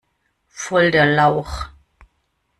Voll der Lauch!